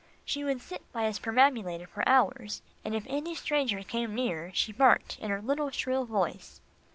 She would sit by his perambulator for hours, and if any stranger came near, she barked in her little, shrill voice.